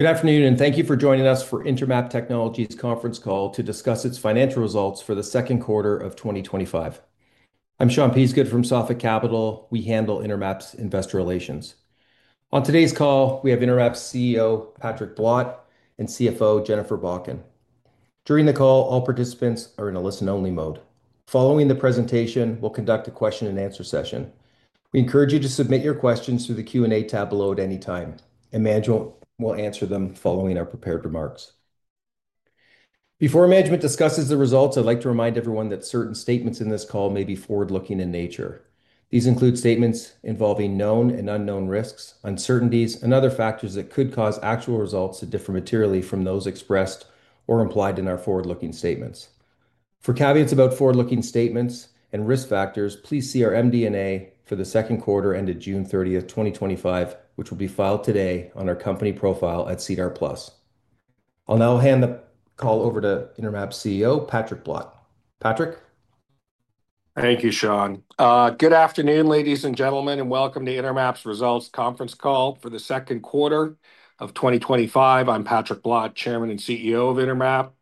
Good afternoon and thank you for joining us for Intermap Technologies' conference call to discuss its Financial Results for the Second Quarter of 2025. I'm Sean Peasgood from Sophic Capital. We handle Intermap's investor relations. On today's call, we have Intermap's CEO, Patrick Blott, and CFO, Jennifer Bakken. During the call, all participants are in a listen-only mode. Following the presentation, we'll conduct a question-and-answer session. We encourage you to submit your questions through the Q&A tab below at any time, and management will answer them following our prepared remarks. Before management discusses the results, I'd like to remind everyone that certain statements in this call may be forward-looking in nature. These include statements involving known and unknown risks, uncertainties, and other factors that could cause actual results to differ materially from those expressed or implied in our forward-looking statements. For caveats about forward-looking statements and risk factors, please see our MD&A for the second quarter ended June 30th, 2025, which will be filed today on our company profile at SEDAR+. I'll now hand the call over to Intermap's CEO, Patrick Blott. Patrick? Thank you, Sean. Good afternoon, ladies and gentlemen, and welcome to Intermap Technologies' results conference call for the second quarter of 2025. I'm Patrick Blott, Chairman and CEO of Intermap Technologies.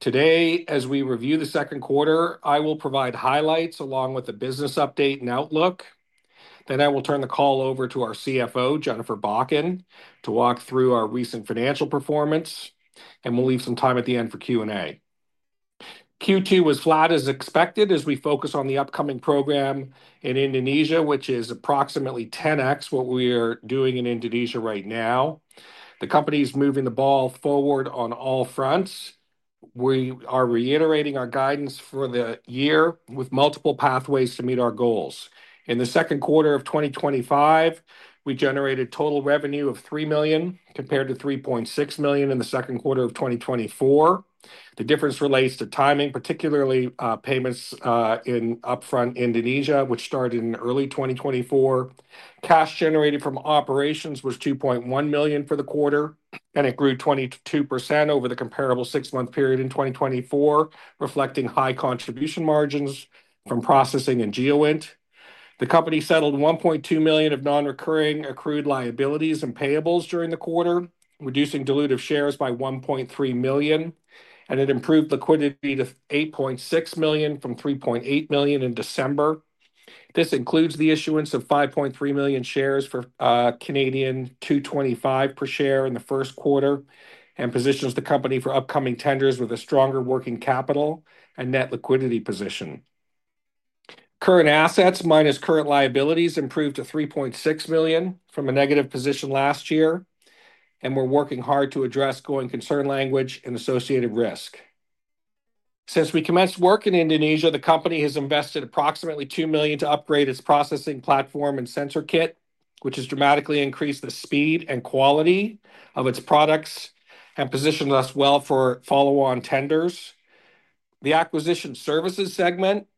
Today, as we review the second quarter, I will provide highlights along with the business update and outlook. I will turn the call over to our CFO, Jennifer Bakken, to walk through our recent financial performance, and we'll leave some time at the end for Q&A. Q2 was flat as expected as we focus on the upcoming program in Indonesia, which is approximately 10x what we are doing in Indonesia right now. The company is moving the ball forward on all fronts. We are reiterating our guidance for the year with multiple pathways to meet our goals. In the second quarter of 2025, we generated total revenue of $3 million compared to $3.6 million in the second quarter of 2024. The difference relates to timing, particularly payments in upfront Indonesia, which started in early 2024. Cash generated from operations was $2.1 million for the quarter, and it grew 22% over the comparable six-month period in 2024, reflecting high contribution margins from processing and GEOINT. The company settled $1.2 million of non-recurring accrued liabilities and payables during the quarter, reducing dilutive shares by $1.3 million, and it improved liquidity to $8.6 million from $3.8 million in December. This includes the issuance of 5.3 million shares for CAD $2.25 per share in the first quarter and positions the company for upcoming tenders with a stronger working capital and net liquidity position. Current assets minus current liabilities improved to $3.6 million from a negative position last year, and we're working hard to address growing concern language and associated risk. Since we commenced work in Indonesia, the company has invested approximately $2 million to upgrade its processing platform and sensor kit, which has dramatically increased the speed and quality of its products and positioned us well for follow-on tenders. The acquisition services segment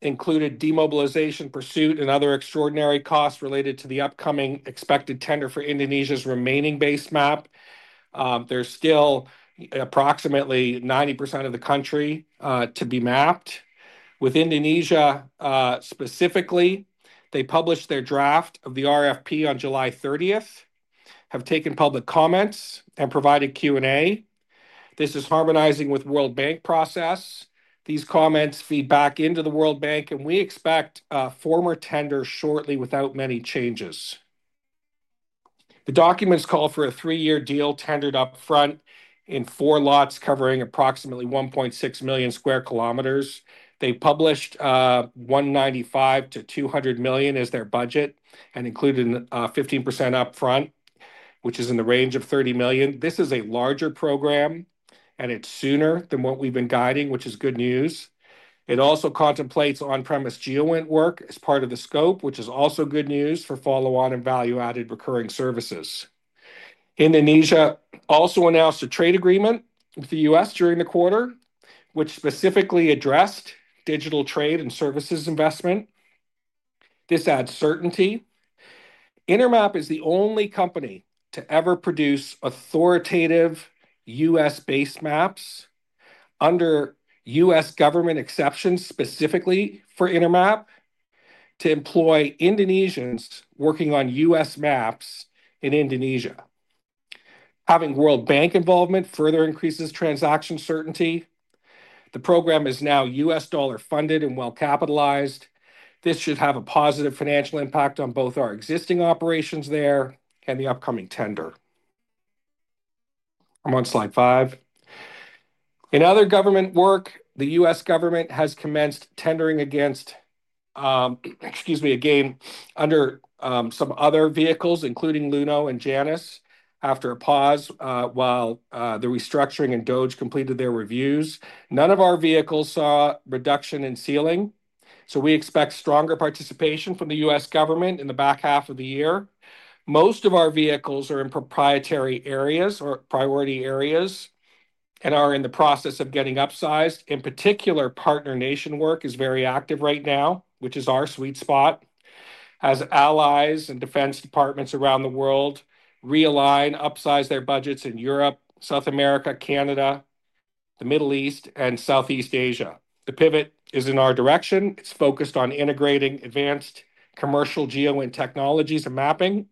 included demobilization pursuit and other extraordinary costs related to the upcoming expected tender for Indonesia's remaining base map. There's still approximately 90% of the country to be mapped. With Indonesia specifically, they published their draft of the RFP on July 30th, have taken public comments, and provided Q&A. This is harmonizing with the World Bank process. These comments feed back into the World Bank, and we expect a formal tender shortly without many changes. The documents call for a three-year deal tendered up front in four lots covering approximately 1.6 million sq km. They published $195 million-$200 million as their budget and included 15% upfront, which is in the range of $30 million. This is a larger program, and it's sooner than what we've been guiding, which is good news. It also contemplates on-premise GEOINT work as part of the scope, which is also good news for follow-on and value-added recurring services. Indonesia also announced a trade agreement with the U.S. during the quarter, which specifically addressed digital trade and services investment. This adds certainty. Intermap is the only company to ever produce authoritative U.S.-based maps under U.S. government exceptions specifically for Intermap to employ Indonesians working on U.S. maps in Indonesia. Having World Bank involvement further increases transaction certainty. The program is now U.S. dollar funded and well capitalized. This should have a positive financial impact on both our existing operations there and the upcoming tender. I'm on slide five. In other government work, the U.S. government has commenced tendering again under some other vehicles, including Luno and JANUS, after a pause while the restructuring and DOGE completed their reviews. None of our vehicles saw a reduction in ceiling, so we expect stronger participation from the U.S. government in the back half of the year. Most of our vehicles are in proprietary areas or priority areas and are in the process of getting upsized. In particular, partner nation work is very active right now, which is our sweet spot, as allies and defense departments around the world realign and upsize their budgets in Europe, South America, Canada, the Middle East, and Southeast Asia. The pivot is in our direction. It's focused on integrating advanced commercial GEOINT technologies and mapping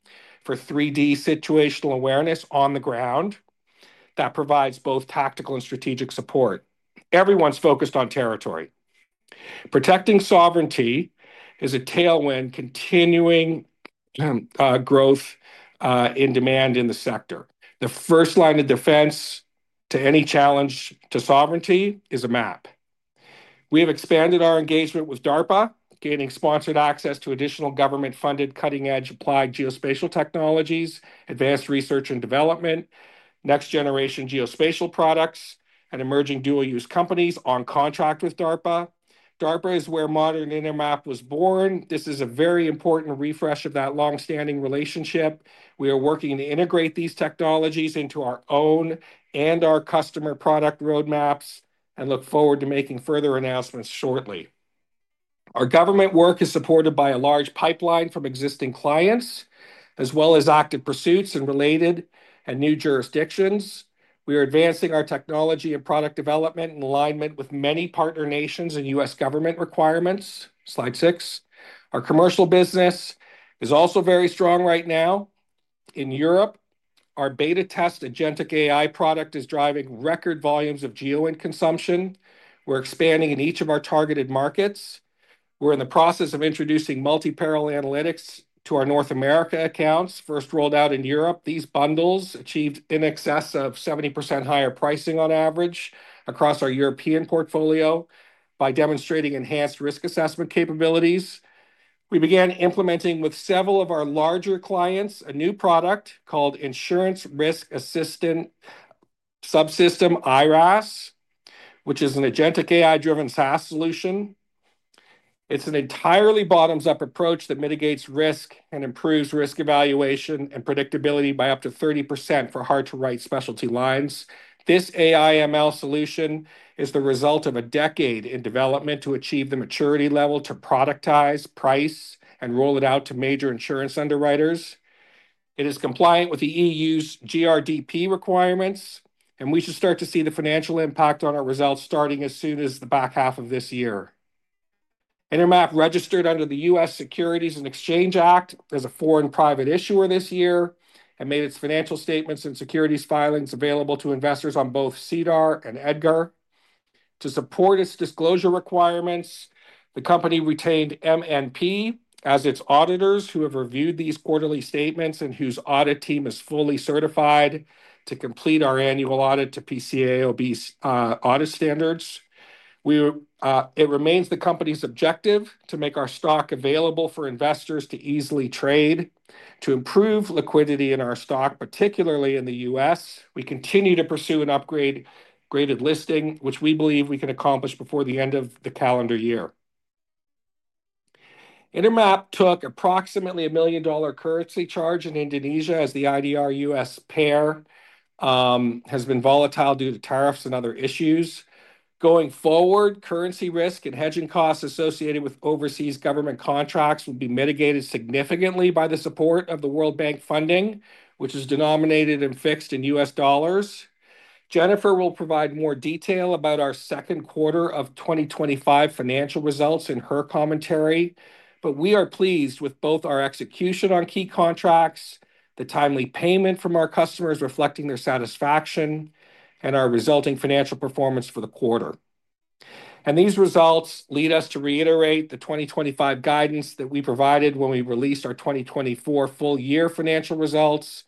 for 3D situational awareness on the ground that provides both tactical and strategic support. Everyone's focused on territory. Protecting sovereignty is a tailwind continuing growth in demand in the sector. The first line of defense to any challenge to sovereignty is a map. We have expanded our engagement with DARPA, gaining sponsored access to additional government-funded cutting-edge applied geospatial technologies, advanced research and development, next-generation geospatial products, and emerging dual-use companies on contract with DARPA. DARPA is where modern Intermap was born. This is a very important refresh of that longstanding relationship. We are working to integrate these technologies into our own and our customer product roadmaps and look forward to making further announcements shortly. Our government work is supported by a large pipeline from existing clients, as well as active pursuits in related and new jurisdictions. We are advancing our technology and product development in alignment with many partner nations and U.S. government requirements. Slide six. Our commercial business is also very strong right now. In Europe, our beta test Agentic AI product is driving record volumes of GEOINT consumption. We're expanding in each of our targeted markets. We're in the process of introducing multi-parallel analytics to our North America accounts, first rolled out in Europe. These bundles achieved in excess of 70% higher pricing on average across our European portfolio by demonstrating enhanced risk assessment capabilities. We began implementing with several of our larger clients a new product called Insurance Risk Assistant Subsystem, IRAS, which is an Agentic AI-driven SaaS solution. It's an entirely bottoms-up approach that mitigates risk and improves risk evaluation and predictability by up to 30% for hard-to-write specialty lines. This AIML solution is the result of a decade in development to achieve the maturity level to productize, price, and roll it out to major insurance underwriters. It is compliant with the EU's GRDP requirements, and we should start to see the financial impact on our results starting as soon as the back half of this year. Intermap registered under the U.S. Securities and Exchange Act as a foreign private issuer this year and made its financial statements and securities filings available to investors on both SEDAR and EDGAR. To support its disclosure requirements, the company retained MNP as its auditors who have reviewed these quarterly statements and whose audit team is fully certified to complete our annual audit to PCAOB audit standards. It remains the company's objective to make our stock available for investors to easily trade, to improve liquidity in our stock, particularly in the U.S. We continue to pursue an upgraded listing, which we believe we can accomplish before the end of the calendar year. Intermap took approximately a $1 million currency charge in Indonesia as the IDR-U.S. pair has been volatile due to tariffs and other issues. Going forward, currency risk and hedging costs associated with overseas government contracts will be mitigated significantly by the support of the World Bank funding, which is denominated and fixed in U.S. dollars. Jennifer will provide more detail about our second quarter of 2025 financial results in her commentary. We are pleased with both our execution on key contracts, the timely payment from our customers reflecting their satisfaction, and our resulting financial performance for the quarter. These results lead us to reiterate the 2025 guidance that we provided when we released our 2024 full-year financial results.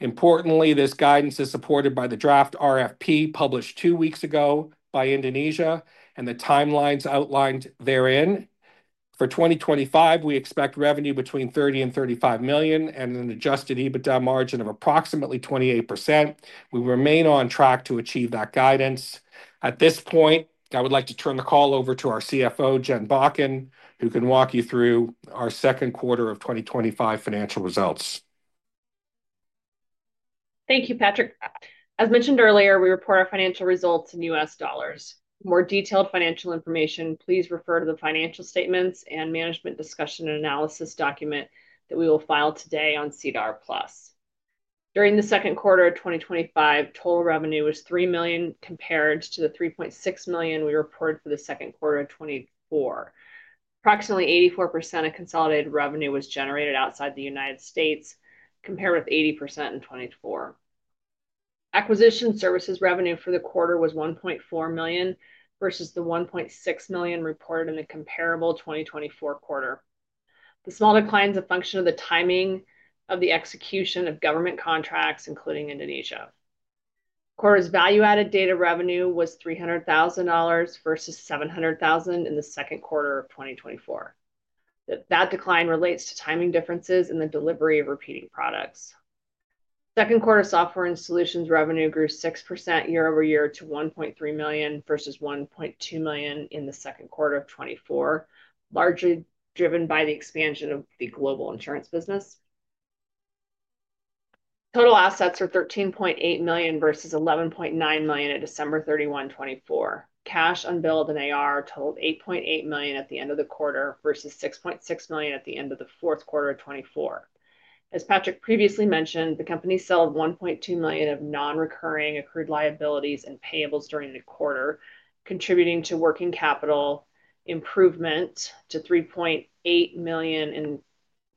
Importantly, this guidance is supported by the draft RFP published two weeks ago by Indonesia and the timelines outlined therein. For 2025, we expect revenue between $30 million and $35 million and an adjusted EBITDA margin of approximately 28%. We remain on track to achieve that guidance. At this point, I would like to turn the call over to our CFO, Jen Bakken, who can walk you through our second quarter of 2025 financial results. Thank you, Patrick. As mentioned earlier, we report our financial results in U.S. dollars. For more detailed financial information, please refer to the financial statements and management discussion and analysis document that we will file today on SEDAR+. During the second quarter of 2025, total revenue was $3 million compared to the $3.6 million we reported for the second quarter of 2024. Approximately 84% of consolidated revenue was generated outside the United States, compared with 80% in 2024. Acquisition services revenue for the quarter was $1.4 million versus the $1.6 million reported in the comparable 2024 quarter. The small decline is a function of the timing of the execution of government contracts, including Indonesia. The quarter's value-added data revenue was $300,000 versus $700,000 in the second quarter of 2024. That decline relates to timing differences in the delivery of repeating products. Second quarter software and solutions revenue grew 6% year-over-year to $1.3 million versus $1.2 million in the second quarter of 2024, largely driven by the expansion of the global insurance business. Total assets are $13.8 million versus $11.9 million at December 31, 2024. Cash unbilled in AR totaled $8.8 million at the end of the quarter versus $6.6 million at the end of the fourth quarter of 2024. As Patrick previously mentioned, the company selling $1.2 million of non-recurring accrued liabilities and payables during the quarter, contributing to working capital improvement to $3.8 million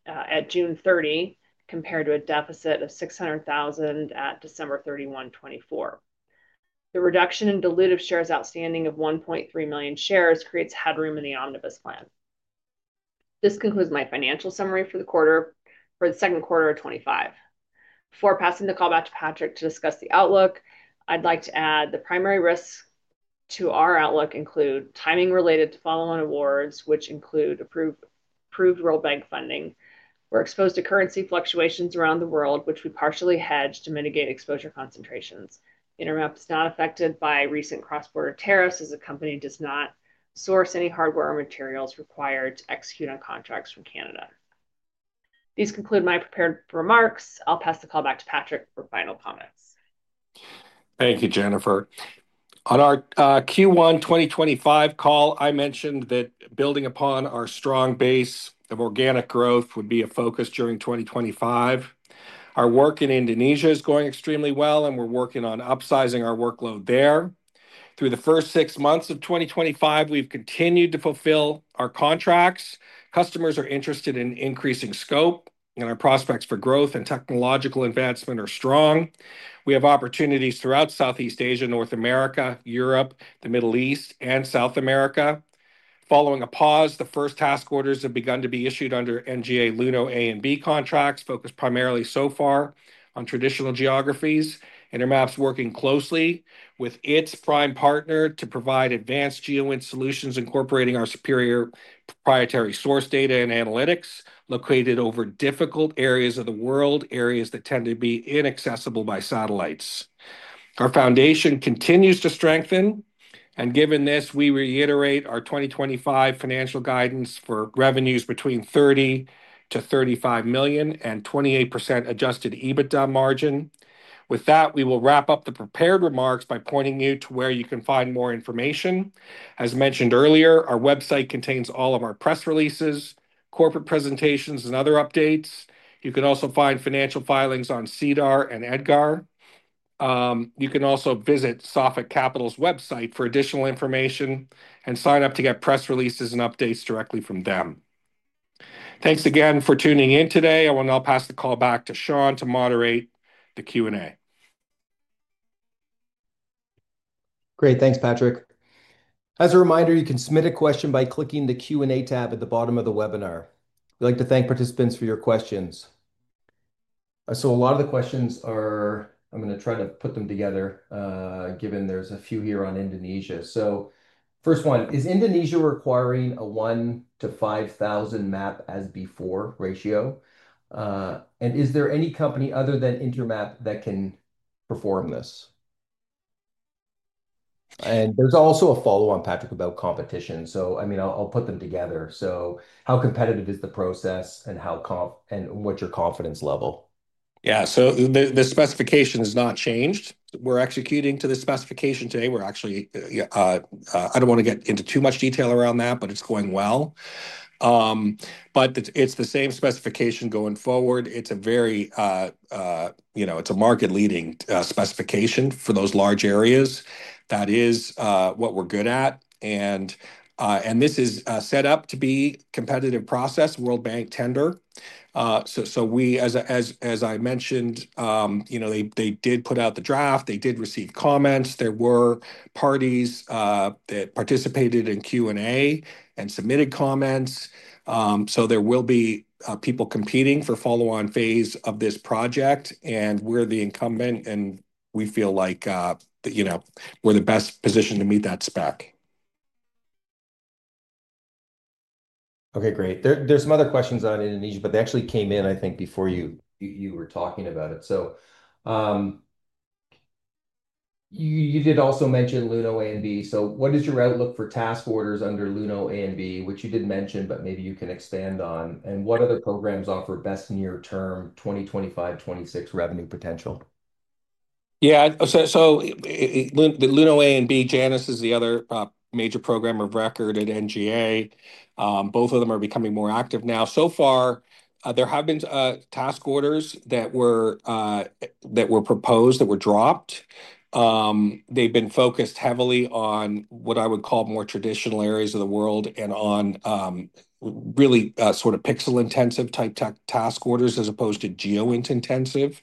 at June 30, compared to a deficit of $600,000 at December 31, 2024. The reduction in dilutive shares outstanding of 1.3 million shares creates headroom in the omnibus plan. This concludes my financial summary for the quarter for the second quarter of 2025. Before passing the call back to Patrick to discuss the outlook, I'd like to add the primary risks to our outlook include timing related to follow-on awards, which include approved World Bank funding. We're exposed to currency fluctuations around the world, which we partially hedge to mitigate exposure concentrations. Intermap is not affected by recent cross-border tariffs as the company does not source any hardware or materials required to execute on contracts from Canada. These conclude my prepared remarks. I'll pass the call back to Patrick for final comments. Thank you, Jennifer. On our Q1 2025 call, I mentioned that building upon our strong base of organic growth would be a focus during 2025. Our work in Indonesia is going extremely well, and we're working on upsizing our workload there. Through the first six months of 2025, we've continued to fulfill our contracts. Customers are interested in increasing scope, and our prospects for growth and technological advancement are strong. We have opportunities throughout Southeast Asia, North America, Europe, the Middle East, and South America. Following a pause, the first task orders have begun to be issued under NGA Luno A and Luno B contracts focused primarily so far on traditional geographies. Intermap is working closely with its prime partner to provide advanced GEOINT solutions, incorporating our superior proprietary source data and analytics located over difficult areas of the world, areas that tend to be inaccessible by satellites. Our foundation continues to strengthen, and given this, we reiterate our 2025 financial guidance for revenues between $30 million-$35 million and 28% adjusted EBITDA margin. With that, we will wrap up the prepared remarks by pointing you to where you can find more information. As mentioned earlier, our website contains all of our press releases, corporate presentations, and other updates. You can also find financial filings on SEDAR and EDGAR. You can also visit Sophic Capital's website for additional information and sign up to get press releases and updates directly from them. Thanks again for tuning in today. I will now pass the call back to Sean to moderate the Q&A. Great, thanks, Patrick. As a reminder, you can submit a question by clicking the Q&A tab at the bottom of the webinar. We'd like to thank participants for your questions. A lot of the questions are, I'm going to try to put them together, given there's a few here on Indonesia. First one, is Indonesia requiring a 1 to 5,000 map as before ratio? Is there any company other than Intermap that can perform this? There's also a follow-up, Patrick, about competition. I'll put them together. How competitive is the process and what's your confidence level? Yeah, the specification has not changed. We're executing to the specification today. We're actually, I don't want to get into too much detail around that, but it's going well. It's the same specification going forward. It's a very, you know, it's a market-leading specification for those large areas. That is what we're good at. This is set up to be a competitive process, World Bank tender. As I mentioned, they did put out the draft. They did receive comments. There were parties that participated in Q&A and submitted comments. There will be people competing for the follow-on phase of this project. We're the incumbent, and we feel like we're the best positioned to meet that spec. Okay, great. There are some other questions on Indonesia, but they actually came in, I think, before you were talking about it. You did also mention Luno A and B. What is your outlook for task orders under Luno A and B, which you did mention, but maybe you can expand on? What other programs offer best near-term 2025-2026 revenue potential? Yeah, so the Luno A and B, JANUS is the other major program of record at NGA. Both of them are becoming more active now. So far, there have been task orders that were proposed that were dropped. They've been focused heavily on what I would call more traditional areas of the world and on really sort of pixel-intensive type task orders as opposed to GEOINT intensive.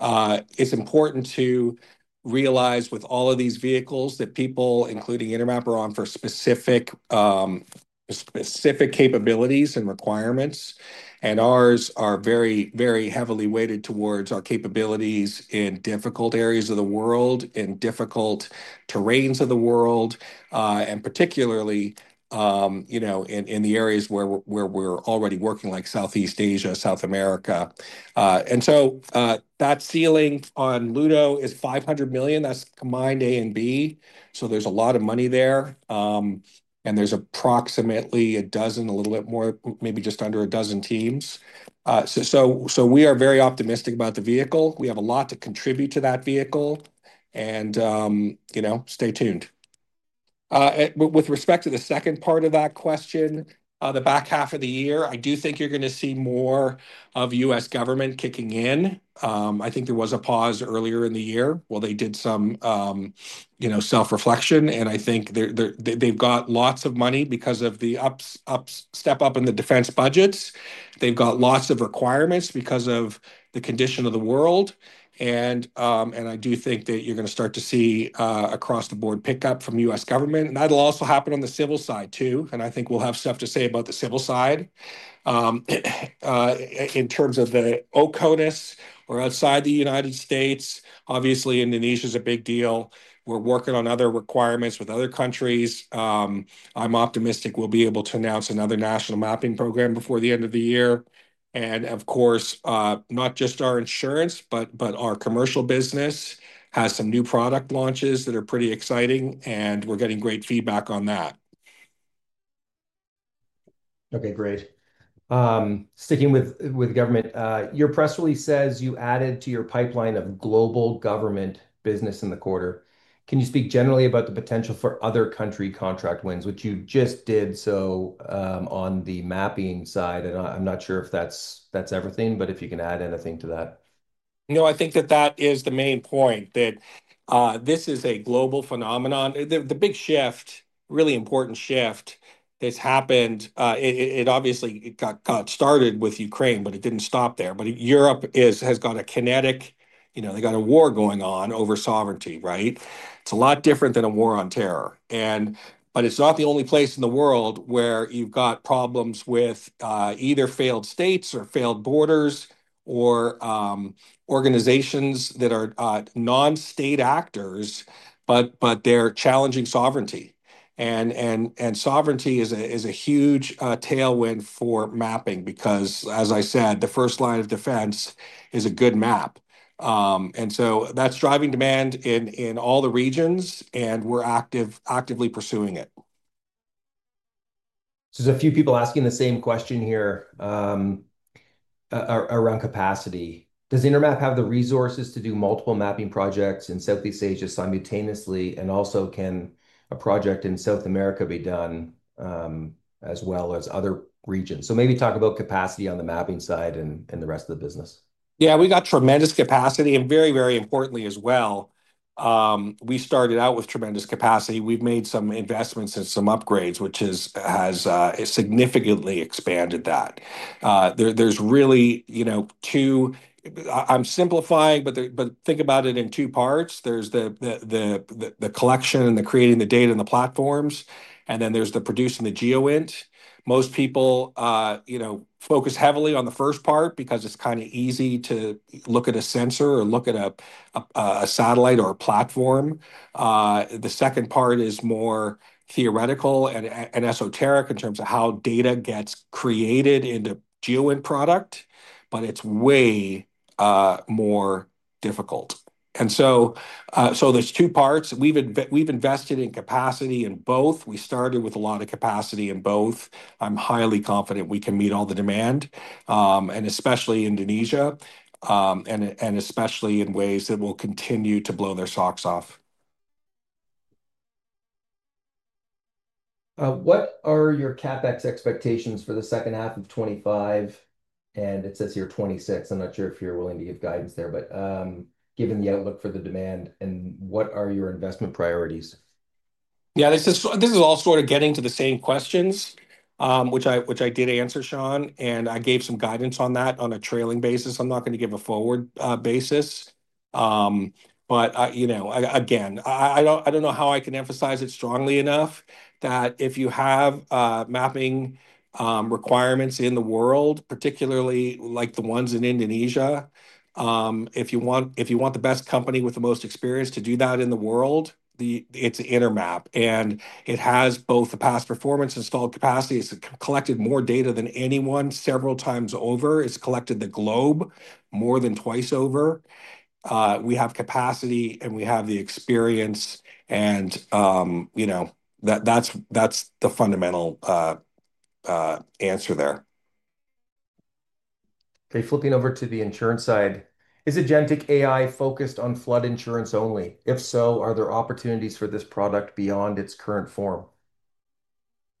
It's important to realize with all of these vehicles that people, including Intermap, are on for specific capabilities and requirements. Ours are very, very heavily weighted towards our capabilities in difficult areas of the world, in difficult terrains of the world, and particularly, you know, in the areas where we're already working, like Southeast Asia, South America. That ceiling on Luno is $500 million. That's mine A and B. There's a lot of money there. There's approximately a dozen, a little bit more, maybe just under a dozen teams. We are very optimistic about the vehicle. We have a lot to contribute to that vehicle. You know, stay tuned. With respect to the second part of that question, the back half of the year, I do think you're going to see more of U.S. government kicking in. I think there was a pause earlier in the year while they did some, you know, self-reflection. I think they've got lots of money because of the step up in the defense budgets. They've got lots of requirements because of the condition of the world. I do think that you're going to start to see across the board pickup from U.S. government. That'll also happen on the civil side too. I think we'll have stuff to say about the civil side in terms of the OCONUS or outside the United States. Obviously, Indonesia is a big deal. We're working on other requirements with other countries. I'm optimistic we'll be able to announce another national mapping program before the end of the year. Of course, not just our insurance, but our commercial business has some new product launches that are pretty exciting. We're getting great feedback on that. Okay, great. Sticking with government, your press release says you added to your pipeline of global government business in the quarter. Can you speak generally about the potential for other country contract wins, which you just did so on the mapping side? I'm not sure if that's everything, but if you can add anything to that. No, I think that that is the main point, that this is a global phenomenon. The big shift, really important shift that's happened, it obviously got started with Ukraine, but it didn't stop there. Europe has got a kinetic, you know, they got a war going on over sovereignty, right? It's a lot different than a war on terror. It's not the only place in the world where you've got problems with either failed states or failed borders or organizations that are non-state actors, but they're challenging sovereignty. Sovereignty is a huge tailwind for mapping because, as I said, the first line of defense is a good map. That's driving demand in all the regions, and we're actively pursuing it. There are a few people asking the same question here around capacity. Does Intermap have the resources to do multiple mapping projects in Southeast Asia simultaneously, and also can a project in South America be done as well as other regions? Maybe talk about capacity on the mapping side and the rest of the business. Yeah, we got tremendous capacity, and very, very importantly as well, we started out with tremendous capacity. We've made some investments and some upgrades, which has significantly expanded that. There's really, you know, two, I'm simplifying, but think about it in two parts. There's the collection and the creating the data and the platforms, and then there's the producing the GEOINT. Most people, you know, focus heavily on the first part because it's kind of easy to look at a sensor or look at a satellite or a platform. The second part is more theoretical and esoteric in terms of how data gets created in the GEOINT product, but it's way more difficult. There's two parts. We've invested in capacity in both. We started with a lot of capacity in both. I'm highly confident we can meet all the demand, and especially Indonesia, and especially in ways that will continue to blow their socks off. What are your CapEx expectations for the second half of 2025? It says here 2026. I'm not sure if you're willing to give guidance there, but given the outlook for the demand, what are your investment priorities? Yeah, this is all sort of getting to the same questions, which I did answer, Sean, and I gave some guidance on that on a trailing basis. I'm not going to give a forward basis, but you know, again, I don't know how I can emphasize it strongly enough that if you have mapping requirements in the world, particularly like the ones in Indonesia, if you want the best company with the most experience to do that in the world, it's Intermap. It has both the past performance and installed capacity. It's collected more data than anyone several times over. It's collected the globe more than twice over. We have capacity and we have the experience, and you know, that's the fundamental answer there. Okay, flipping over to the insurance side. Is Agentic AI focused on flood insurance only? If so, are there opportunities for this product beyond its current form?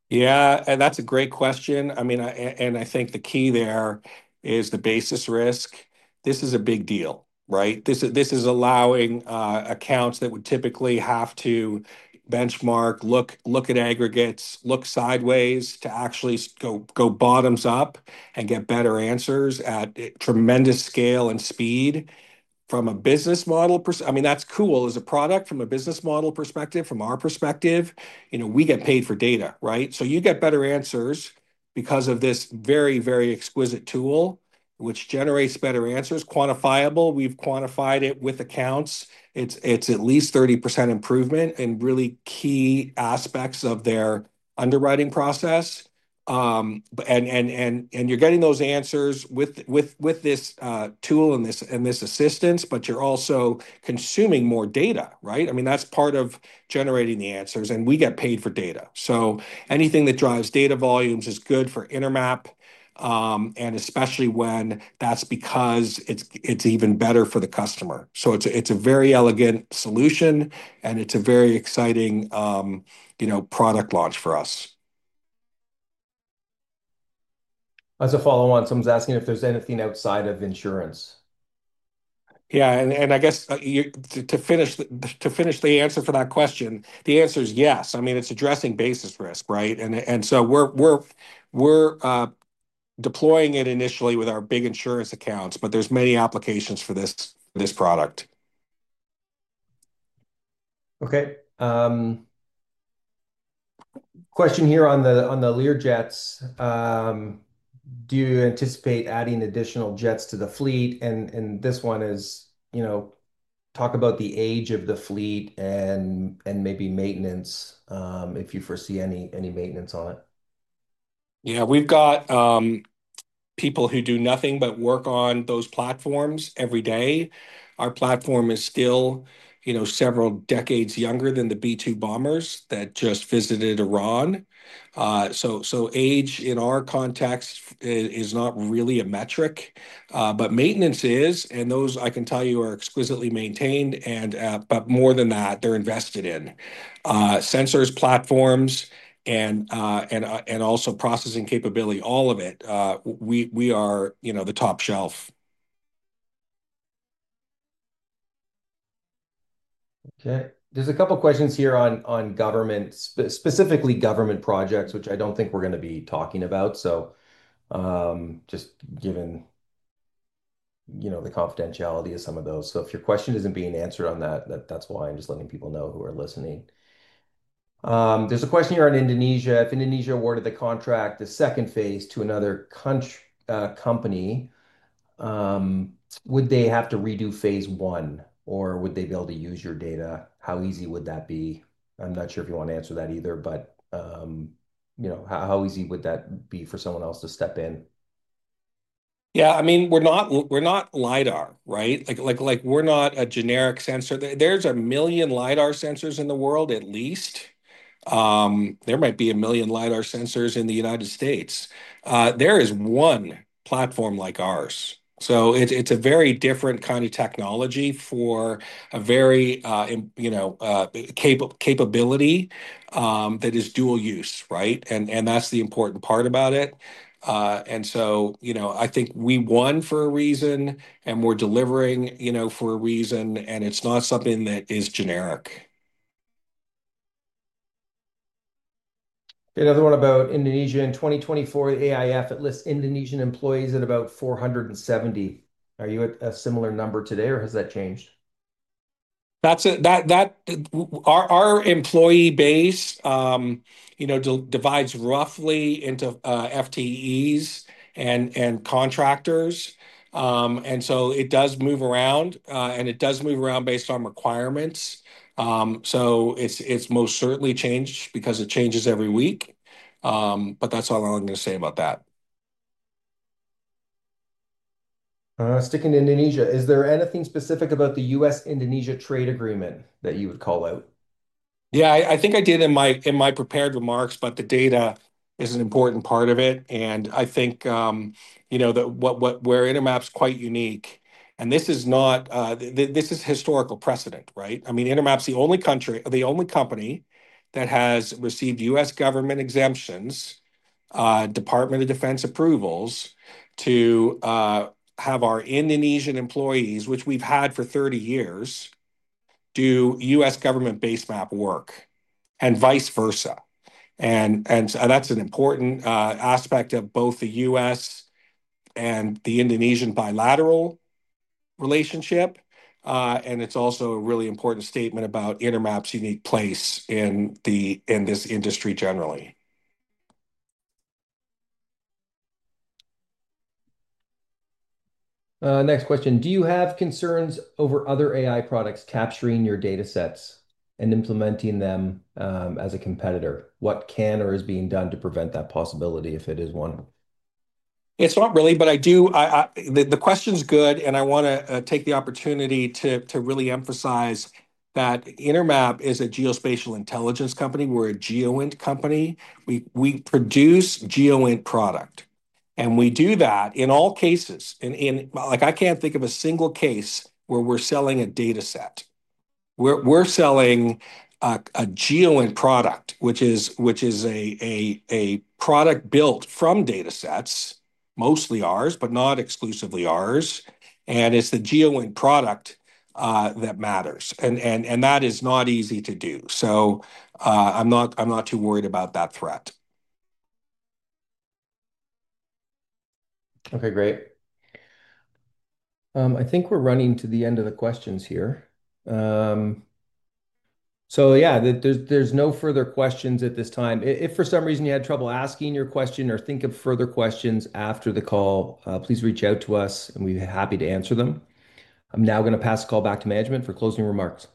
Yeah, that's a great question. I think the key there is the basis risk. This is a big deal, right? This is allowing accounts that would typically have to benchmark, look at aggregates, look sideways to actually go bottoms up and get better answers at tremendous scale and speed. From a business model perspective, from our perspective, we get paid for data, right? You get better answers because of this very, very exquisite tool, which generates better answers, quantifiable. We've quantified it with accounts. It's at least 30% improvement in really key aspects of their underwriting process. You're getting those answers with this tool and this assistance, but you're also consuming more data, right? That's part of generating the answers, and we get paid for data. Anything that drives data volumes is good for Intermap, especially when that's because it's even better for the customer. It's a very elegant solution, and it's a very exciting product launch for us. That's a follow-on. Someone's asking if there's anything outside of insurance. Yeah, I guess to finish the answer for that question, the answer is yes. I mean, it's addressing basis risk, right? We're deploying it initially with our big insurance accounts, but there's many applications for this product. Okay. Question here on the Learjets. Do you anticipate adding additional jets to the fleet? Talk about the age of the fleet and maybe maintenance if you foresee any maintenance on it. Yeah, we've got people who do nothing but work on those platforms every day. Our platform is still several decades younger than the B-2 bombers that just visited Iran. Age in our context is not really a metric, but maintenance is, and those, I can tell you, are exquisitely maintained. More than that, they're invested in—sensors, platforms, and also processing capability, all of it. We are the top shelf. Okay. There are a couple of questions here on government, specifically government projects, which I don't think we're going to be talking about, just given the confidentiality of some of those. If your question isn't being answered on that, that's why. I'm just letting people know who are listening. There's a question here on Indonesia. If Indonesia awarded the contract, the second phase to another country company, would they have to redo phase one, or would they be able to use your data? How easy would that be? I'm not sure if you want to answer that either, but how easy would that be for someone else to step in? Yeah, I mean, we're not LIDAR, right? We're not a generic sensor. There's a million LIDAR sensors in the world at least. There might be a million LIDAR sensors in the United States. There is one platform like ours. It's a very different kind of technology for a very, you know, capability that is dual use, right? That's the important part about it. I think we won for a reason, and we're delivering for a reason, and it's not something that is generic. Another one about Indonesia. In 2024, the AIF lists Indonesian employees at about 470. Are you at a similar number today, or has that changed? Our employee base divides roughly into FTEs and contractors. It does move around, and it does move around based on requirements. It's most certainly changed because it changes every week. That's all I'm going to say about that. Sticking to Indonesia, is there anything specific about the U.S.-Indonesia trade agreement that you would call out? Yeah, I think I did in my prepared remarks, but the data is an important part of it. I think, you know, that what we're Intermap's quite unique. This is not, this is historical precedent, right? I mean, Intermap's the only company that has received U.S. government exemptions, Department of Defense approvals to have our Indonesian employees, which we've had for 30 years, do U.S. government base map work and vice versa. That's an important aspect of both the U.S. and the Indonesian bilateral relationship. It's also a really important statement about Intermap's unique place in this industry generally. Next question. Do you have concerns over other AI products capturing your data sets and implementing them as a competitor? What can or is being done to prevent that possibility if it is one? It's not really, but I do, the question's good, and I want to take the opportunity to really emphasize that Intermap is a geospatial intelligence company. We're a GEOINT company. We produce GEOINT product. We do that in all cases. I can't think of a single case where we're selling a data set. We're selling a GEOINT product, which is a product built from data sets, mostly ours, but not exclusively ours. It's the GEOINT product that matters. That is not easy to do. I'm not too worried about that threat. Okay, great. I think we're running to the end of the questions here. There's no further questions at this time. If for some reason you had trouble asking your question or think of further questions after the call, please reach out to us and we'd be happy to answer them. I'm now going to pass the call back to management for closing remarks.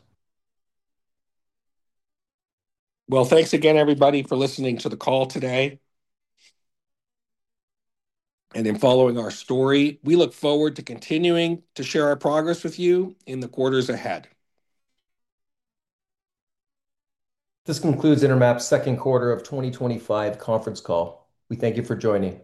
Thank you again, everybody, for listening to the call today. In following our story, we look forward to continuing to share our progress with you in the quarters ahead. This concludes Intermap's second quarter 2025 conference call. We thank you for joining.